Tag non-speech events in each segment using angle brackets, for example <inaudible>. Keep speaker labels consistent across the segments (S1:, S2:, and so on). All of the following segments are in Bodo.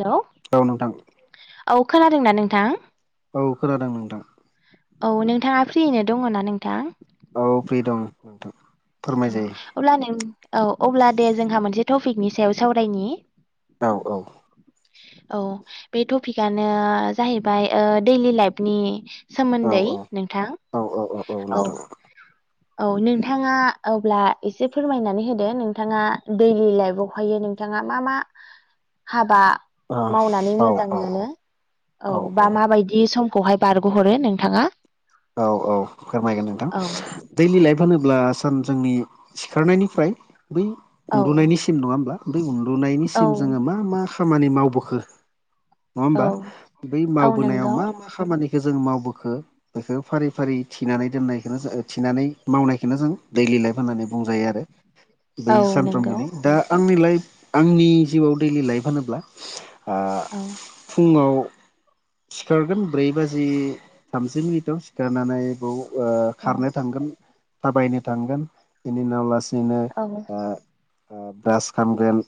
S1: हेलौ
S2: औ नोंथां
S1: औ खोनादोंना नोंथां?
S2: औ खोनादों नोंथां।
S1: औ नोंथाङा फ्रियैनो दङना नोंथां?
S2: औ फ्रि दं नोंथां
S1: औ
S2: फोरमायजायो
S1: अब्ला नों औ अब्ला दे जोंहा मोनसे टपिकनि सायाव सावरायनि
S2: औ औ
S1: औ बे टपिकानो जाहैबाय ओ दैलि लाइफनि
S2: औ
S1: सोमोन्दै नोंथां
S2: औ औ
S1: औ
S2: नोंथां
S1: औ नोंथाङा अब्ला एसे फोरमायनानै होदो नोंथाङा दैलि लाइफावहायो नों थाङा मा मा हाबा
S2: औ
S1: मावनानै
S2: औ
S1: मोजां मोनो औ बा माबायदि समखौहाय बारग' हरो नोंथाङा
S2: औ औ फोरमायगोन नोंथां।
S1: औ
S2: दैलि लाइफ होनोब्ला सान जोंनि सिखारनायनिफ्राय बै
S1: औ
S2: उन्दुनायनिसिम नङा ओमब्ला बै
S1: औ
S2: उन्दुनायनिसिम जोङो मा मा खामानि मावबोखो नङा
S1: औ
S2: ओमबा बै
S1: औ
S2: मावबोनायाव
S1: नंगौ
S2: मा मा खामानिखो जों मावबोखो बेखो फारि फारि थिनानै दोननायखोनो जो थिनानै मावनायखोनो जों दैलि लाइफ होननानै बुंजायो आरो।
S1: <inaudible>
S2: बै
S1: नंगौ
S2: सानफ्रोमबोनि दा आंनि लाइफ आंनि जिउआव दैलि लाइफ होनोब्ला आ फुङाव सिखारगोन ब्रै बाजि से मिनिटाव सिखारनानै बौ ओ खारनो थांगोन थाबायनो थांगोन बिनि उनाव लासैनो ओ ओ ब्रास खालामगोन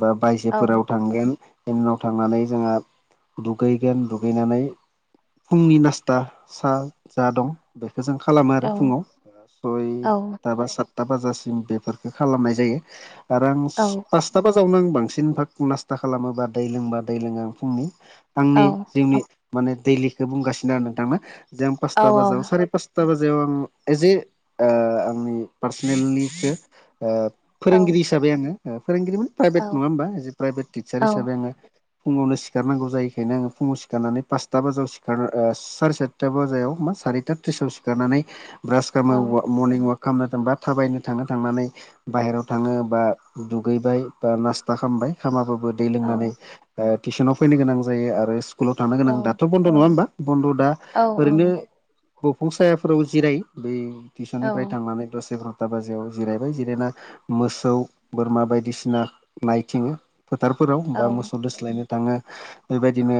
S2: बा बायजोफोराव थांगोन। बेननाव नौ थांनानै जोङो दुगैगोन दुगैनानै फुंनि नासथा सा जा दं बेखो जों खालामो आरो फुङाव सयटा बा सात टा बाजासिम बेफोरखो खालामनाय जायो आरो आं फार्स सातटाबाजावनो आं बांसिन भाग नास्ता खालामोबा दै लोंबा दै लोङो आं फुंनि आंनि जिउनि माने दैलिखौ बुंगासिनो आरो नोंथां ना जे आं पासथा बाजाव सारेपास टा बाजायाव आं एज ए ओ आंनि पार्सनेेलिखो ओ फोरोंगिरि हिसाबै आङो ओ फोरोंगिरि माने प्राइभेट नङा ओमबा प्राइभेट टिचार हिसाबै आङो फुङावनो सिखारनांगौ जायो खायनो आङो फुङाव सिखारनानै पासथा बाजाव सि आरो ओ सारिसातटा बाजायाव मा सारिथा थ्रिसाव सिखारनानै ब्रास खामो वा मर्निं अवाक खालामनो थांबा थाबायनो थांनो थांनानै बाहेराव थाङो बा दुगैबाय बा नास्ता खामबाय खामाबाबो दै लोंनानै ओ तिचनाव फैनो गोनां जायो आरो सिक्लुलाव थांनो गोनां दाथ' खन नङा ओमबा बन्द' दा ओरैनो बफं सायाफोराव जिरायो बै टिउसननिफ्राय थांनानै दसे सम आदता बाजायाव जिरायबाय जिरायना मोसौ बोरमा बायदिसिना नायथिङो फोथारफोराव बा मोसौ दोस्लायनो थाङो बेबायदिनो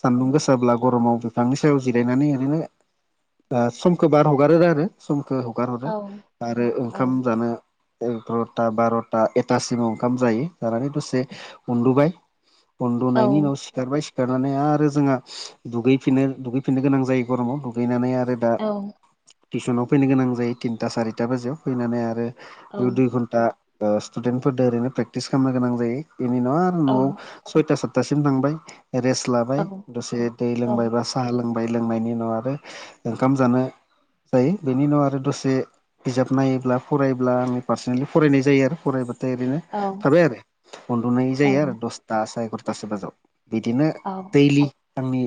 S2: सान्दुं गोसाब्ला गरमाव बिफांनि सायाव जिरायनानै ओरैनो ओ समखो बार हगारो आरो। समखो हगारहरो आरो ओंखाम जानो एग्र'था बार'था एथासिमाव ओंखाम जायो जानानै दसे उन्दुबाय उन्दुनायनि उनाव सिखारबाय सिखारनानै आरो जोङा दुगैफिनो दुगैफिननो गोनां जायो गरमाव दुगैनानै आरो दा टिउसनाव फैनो गोनां जायो तिनटा सारिटा बाजियाव फैनानै आरो बैयाव दुइ घन्टा ओ स्टुडेन्टफोरदो ओरैनो प्रेक्टिस खालामनो गोनां जायो बेनि उनाव आरो न'वाव सयता सात्तासिम थांबाय रेस्ट लाबाय दसे दै लोंबाय बा साहा लोंबाय लोंनायनि उनाव आरो ओंखाम जानो जायो बेनि उनाव आरो दसे बिजाब नायोब्ला फरायब्ला आङो पार्सनेलि फरायनाय जायो आरो फरायबाथाय ओरैनो थारबाय आरो उन्दुनाय जायो आरो दसथा साराय एगारथासो बाजाव बिदिनो दैलि आंनि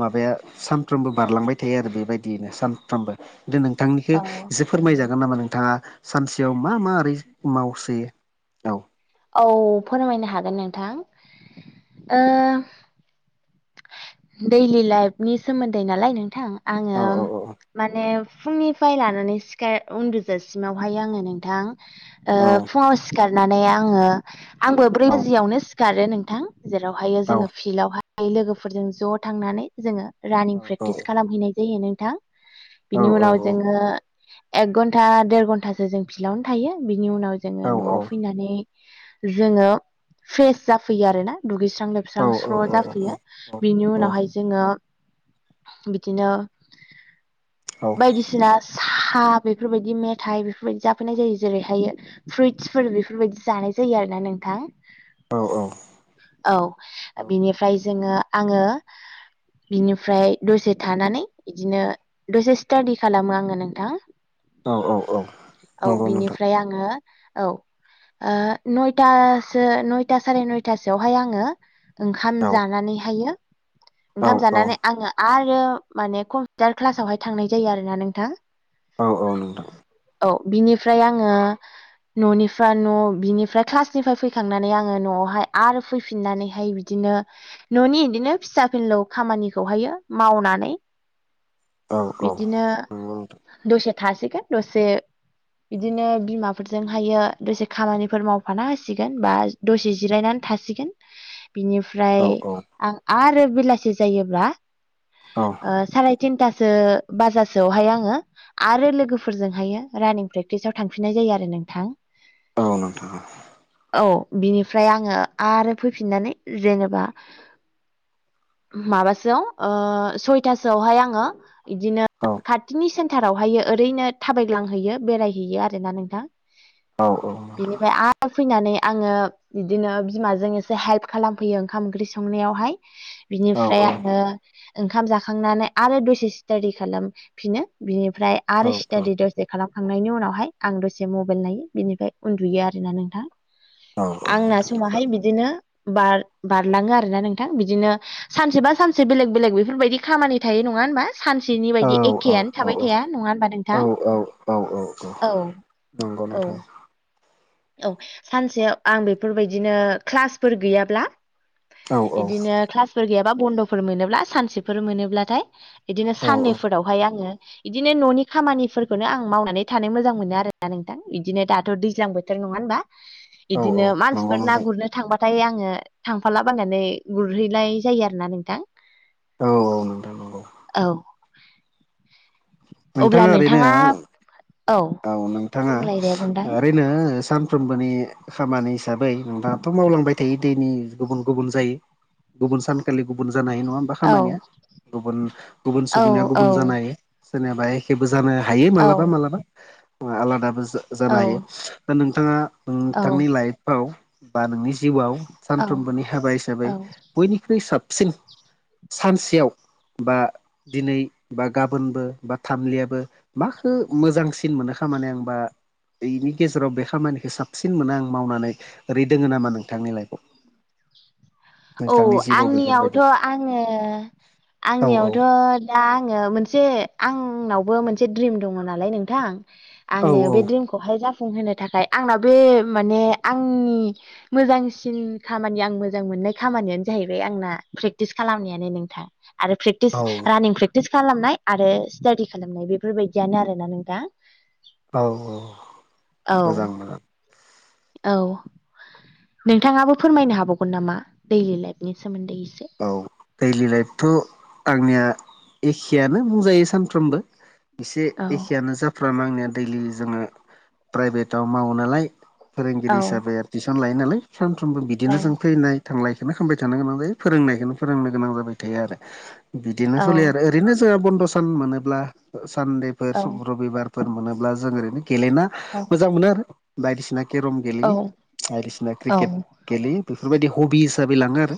S2: माबाया सानफ्रोमबो बारलांबाय थायो आरो बेबायदियैनो सानफ्रोमबो दे नोंथांनिखौ
S1: औ
S2: एसे फोरमायजागोन नामा नोंथाङा सानसेयाव मा मा ओरै मावसोयो औ
S1: औ फोरमायनो हागोन नोंथां ओ दैलि लाइफनि सोमोन्दै नालाय नोंथां आङो
S2: औ
S1: माने फुंनिफ्राय लानानै सिखार उन्दु जासिमावहाय आङो नोंथां ओ
S2: औ
S1: फुङाव सिखारनानै आङो आंबो ब्रै
S2: औ
S1: बाजियावनो सिखारो नोंथां जेरावहायो
S2: औ
S1: जोङो फिल्डआवहाय लोगोफोरजों ज' थांनानै जोङो रानिं
S2: औ
S1: प्रेक्टिस खालामहैनाय जायो नोंथां
S2: औ
S1: बिनि उनाव जोङो एक घन्टा देर घन्टासो जों फिलावनो थायो बिनि उनाव
S2: औ
S1: जोङो न'आव फैनानै जोङो फ्रेस जाफैयो आरोना दुगैस्रां लोब
S2: औ
S1: स्रां स्र'
S2: औ
S1: जाफैयो बेनि
S2: औ
S1: उनावहाय जोङो बिदिनो बायदिसिना सा बेफोरबायदि मेथाइ बेफोरबायदि जाफैनाय जायो जेरैहायो फ्रुइटसफोर बेफोरबायदि जानाय जायो आरोना नोंथां
S2: औ-औ
S1: औ बिनिफ्राय जोङो आङो बिनिफ्राय दसे थानानै बिदिनो दसे स्टाडि खालामो आङो नोंथां औ
S2: नंगौ नोंथां
S1: बिनिफ्राय आङो औ ओ नयथासो नयथा सारि नयथासोआवहाय आङो ओंखा
S2: औ
S1: म जानानैहायो
S2: औ
S1: ओंखाम
S2: औ
S1: जानानै आङो आरो माने कम्पिउटार क्लासावहाय थांनाय जायो आरोना नोंथां
S2: औ-औ नोंथां
S1: औ बिनिफ्राय आङो न'निफ्राय न' बिनिफ्राय क्लासनिफ्राय फैखांनानै आङो न'आवहाय आरो फैफिननानैहाय बिदिनो न'नि इदिनो फिसा फिनलौ खामानिखौहायो मावनानै
S2: औ औ
S1: बिदिनो
S2: नंगौ नोंथां
S1: दसे थासिगोन दसे बिदिनो बिमाफोरजोंहायो दसे खामानिफोर मावफाना होसिगोन बा दसे जिरायनानै थासिगोन बिनिफा ओमफ्राय
S2: औ औ
S1: आं आरो बेलासि जायोब्ला
S2: औ
S1: ओ साराय तिनथासो बाजासोआवहाय आङो आरो लोगोफोरजोंहायो रानिं प्रेक्टिसाव थांफिननाय जायो आरो नोंथां
S2: औ नोंथां औ
S1: औ बिनिफ्राय आङो आरो फैफिननानै जेनेबा माबासोआव ओ सयथासोआवहाय आङो बिदिनो
S2: औ
S1: खाथिनि सेन थारावहायो ओरैनो थाबायग्लांहैयो बेरायहैयो आरोना नोंथां
S2: औ-औ
S1: बिनिफ्राय आरो फैनानै आङो बिदिनो बिमाजों एसे हेल्प खालामफैयो ओंखाम ओंख्रि संनायावहाय बिनिफ्राय
S2: औ
S1: आङो ओंखाम जाखांनानै आरो दसे स्टाडि खालामफिनो बिनि फ्राय
S2: औ नोंथां औ
S1: आरो स्टाडि दसे खालाम खांनायनि उनावहाय आं दसे मबाइल नायो बिनिफ्राय उन्दुयो आरोना नोंथां आंना समाहाय बिदिनो बार बारलाङो आरोना नोंथां बिदिनो सानसेबा सानसे बेलेग बेलेग बेफोरबायदि खामानि थायो नङा होनबा सानसेनि बायदि एखेयानो थाबाय थाया नङा होनबा नोंथां औ
S2: औ-औ
S1: औ
S2: <inaudible>
S1: औ सानसेयाव आं बेफोरबायदिनो क्लासफोर गैयाब्ला
S2: औ
S1: इदिनो क्लासफोर गैयाबा बन्द'फोर मोनोब्ला सानसेफोर मोनोब्लाथाय इदिनो
S2: औ औ
S1: साननैफोरावहाय आङो इदिनो न'नि खामानिफोरखौनो आं मावनानै थानो मोजां मोनो आरोना नोंथां इदिनो दाथ' दैज्लां बो थोर नंङा होनबा बिदिनो
S2: नंगौ
S1: मानसिफोर ना
S2: नोंथां
S1: गुरनो थांबाथाय आंङो थांफाला बायनानै गुरहैनाय जायो आरोना नोंथां।
S2: औ औ
S1: औ। अब्ला
S2: नोंथांङा ओरैनो
S1: नोंथाङा
S2: औ नोंथांङा
S1: बुंलाय दे बुंलाय
S2: ओरैनो साफ्रोमबोनि खामानि हिसाबै दाथ' मावलांबाय थायो दैनि गुबुन गुबुन जायो। गुबुन सानखालि गुबुन जानाय नंङा होमबा
S1: औ
S2: खामानिया गुबुन गुबुन
S1: औ
S2: सुबुंनिया
S1: औ
S2: गुबुन जानो हायो सोरनियाबा एखेबो जानो हायो मालाबा
S1: औ
S2: मालाबा आलादाबो जा जानो हायो दा नोंथांङा
S1: औ
S2: नोंथांनि लाइफआव बा नोंनि जिउआव
S1: औ
S2: सानफ्रोमबोनि हाबा हिसाबै
S1: औ
S2: बयनिख्रुइ साबसिन सिन सानसेयाव बा दिनै बा गाबोनबो बा थामलियाबो माखौ मोजांसिन मोनो खामानो होनबा बेनि गेजेराव बे खामानिखौ साबसिन मोनो आं मावनानै ओरै दोंङो नामा नोंथांनि लाइफआव।
S1: <inaudible> औ
S2: नोंथांनि जिउआव
S1: आंनियावथ'
S2: बेफोरबायदि
S1: आङो
S2: औ औ
S1: आंनियावथ' दा आङो मोनसे आंनावबो मोनसे द्रिम दङ नालाय नोंथां।
S2: औ
S1: आङो
S2: औ
S1: बे द्रिमखौहाय जाफुंहोनो थाखाय आंनाबो माने आंनि मोजांसिन खामानि आं मोजां मोननाय खामानियानो जाहैबाय आंना प्रेकटिस खालामनायानो नोंथां आरो प्रेक्टिस
S2: औ
S1: रानिं प्रे कटिस खालामनाय आरो स्टाडि खालामनाय बेफोर बायदियानो आरोना नोंथां।
S2: औ औ
S1: औ
S2: मोजां मोजां।
S1: औ नोंथांङाबो फोरमायनो हाबावगोन नामा दैलि लाइफनि सोमोन्दै एसे
S2: औ दैलि लाइफथ' आंनिया एखेयानो बुंजायो सानफ्रोमबो। एसे
S1: औ
S2: एखेयानो जाफ्रामो आंनिया दैलि जोङो प्राइभेटाव मावो नालाय फोरोंगिरि
S1: औ
S2: हिसाबै आरो थटिउसन लायो नालाय सानफ्रोमबो
S1: औ
S2: बिदिनो जों फैनाय थांनायायखौनो खालामामबाय थानो गोनां जायो। फोरोंनायखौनो फोरोंनो गोनां जाबाय थायो आरो बिदिनो सोलियो
S1: औ
S2: आरो ओरैनो जोंहा बन्द' सान मोनोब्ला सानदेफोर
S1: औ
S2: रबिबारफोर मोनोब्ला जों ओरैनो गेलेना
S1: औ
S2: मोजां मोनो आरो बायदिसिना केरम
S1: औ
S2: गेलेयो बायदिसिना
S1: औ
S2: क्रिकेट गेलेयो बेफोरबायदि हबि हिसाबै लांङो आरो।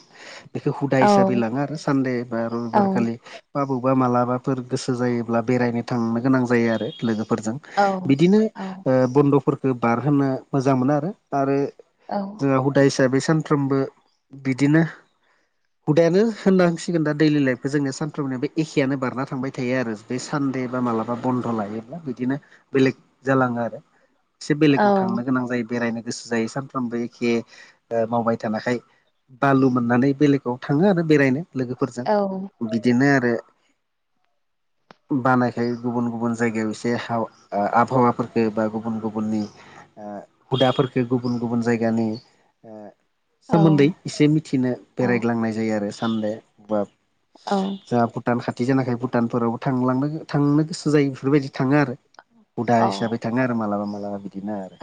S2: बेखौ हुदा हिसाबै लाङो आरो सानदे बा
S1: औ
S2: रबिबारखालि बा बबावेबा मालाबाफोर गोसो जायोब्ला बेरायनो थांनो गोनां जायो आरो लोगोफोरजों।
S1: औ
S2: बिदिनो
S1: औ
S2: ओ बन्द'फोरखौ बारहोनो मोजां मोनो आरो। आरो
S1: औ
S2: जोंहा हुदा हिसाबै सानफ्रोमबो बिदिनो हुदायानो होननहांसिगोन दा दैलि लाइफखौ जोंनिया सानफ्रोमनिया बे एखेयानो बारना थांबाय थायो आरो। बे सानदे बा मालाबा बन्द' लायोब्ला बिदिनो बेलेग जालांङो आरो। एसे बेलेगाव थांनो गोनां जायो बेरायनो। जाय सामफ्रोमबो एखे मावबाय थानायाखाय बालु मोननानै बेलेग थाङो आरो बेरायनो
S1: औ
S2: लोगोफोरजों बिदिनो आरो
S1: <inaudible>
S2: बानायखाय गुबुन गुबुन जायगायाव एसे आबहावाफोरफोरखौ बा गुबुन गुबुननि ओ हुदाफोरफोरखौ गुबुन गुबुन जायगानि ओ सोमोन्दै एसे मिथिनो बेरायग्लांनाय जायो आरो सानदे बा जा भुटान खाथि जानाखाय भुटानफोरावबो थांनो थांनो गोसो जायो बेफोरबायदि थांङो आरो हुदा
S1: औ
S2: हिसाबै थाङो आरो मालाबा मालाबा बिदिनो आरो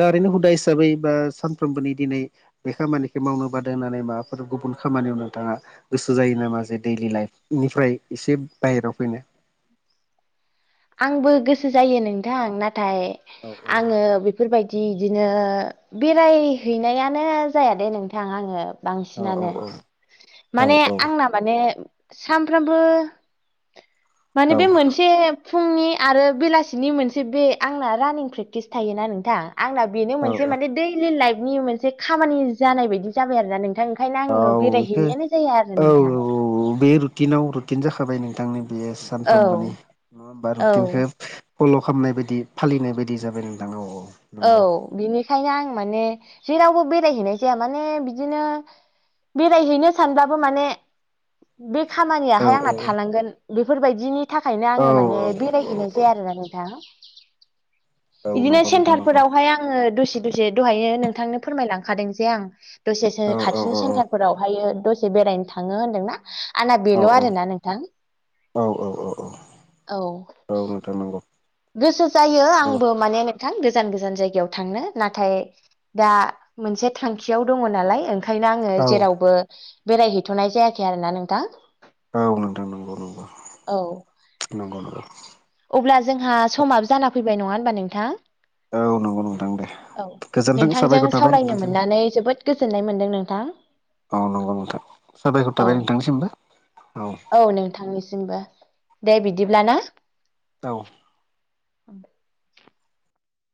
S2: दा ओरैनो हुदा हिसाबै बा सानफ्रोमबोनि दिनै बे खामानिखौ मावनो बादो होननानै माबाफोर गुबुन खामानियाव नोंथांङा गोसो जायो नामा जे दैलि लाइफनिफ्राय एसे बायहेरायाव फैनो
S1: आंबो गोसो जायो नोंथां नाथाय आङो बेफोरबायदि इदिनो बेरायहैनायानो जायादे नोंथां आङो
S2: औ
S1: बांसिनानो
S2: औ औ
S1: माने आंना माने सानफ्रामबो माने बे मोनसे फुंनि आरो बेलासिनि मोनसे बे आंना रानिं प्रेक्टिस थायोना नोंथां। आंना बेनो
S2: औ
S1: मोनसे माने दैलि लाइफनि मोनसे खामानि जानाय बायदि जाबाय आरोना नोंथां। ओंखायनो
S2: औ
S1: आंनो
S2: औ बेखौ
S1: बेरायहैनायानो जाया आरो नोंथां।
S2: औ बे रुटिनाव रुटिन जाखाबाय नोंथांनि बे
S1: औ
S2: सानफ्रोमबोनि नङा होनबा
S1: औ
S2: रुटिंखौ फल' खालामनाय बायदि फालिनाय बायदि जाबाय नोंथां औ औ।
S1: औ
S2: नंगौ
S1: बिनिखायनो आं माने जेरावबो बेरायहैनाय जाया माने बिदिनो बेरायहैनो सानबाबो माने बे
S2: औ
S1: खामानियाहाय आंना थालांगोन बेफोरबायदिनि थाखायनो आङो माने बेरायहैनाय जाया आरोना नोंथां
S2: औ
S1: बिदिनो
S2: नंगौ नोंथां
S1: सेन्टार
S2: नंगौ
S1: फोरावहाय आङो दसे दसे दहायनो नोंथांनो फोरमायलांखादों जे आं दसे
S2: औ औ
S1: खाथिनि सेन्टारफोरावहायो दसे बेरायनो थांङो होनदोंना आंना
S2: औ
S1: बेल' आरोना नोंथां
S2: औ औ औ
S1: औ
S2: औ नोथां नंगौ।
S1: गोसो जायो
S2: नंगौ
S1: आंबो माने गोजान गोजान जायगायाव थांनो नाथाय दा मोनसे थांखियाव दङ नालाय ओंखायनो आङो
S2: औ
S1: जेरावबो बेरायहैथ'नाय जायाखै आरोना नोंथां।
S2: औ नोंथां नंगौ नंगौ
S1: औ
S2: नंगौ नंगौ
S1: अब्ला जोंहा समाबो जाना फैबाय नङा होनबा नोंथां।
S2: औ नंगौ नोंथां दे।
S1: औ
S2: गोजोन्थों
S1: नोंथांजों
S2: साबायखर थाबाय
S1: सावरायनो
S2: नोंथांसिम
S1: मोननानै जोबोद गोजोननाय मोनदों नोंथां।
S2: औ नंगौ नोंथां साबायखर
S1: औ
S2: थाबाय नोंथांनिसिमबो।
S1: औ नोंथांनिसिमबो दे बिदिब्ला ना।
S2: औ
S1: <inaudible>